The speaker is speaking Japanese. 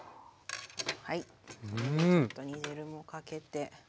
ちょっと煮汁もかけて。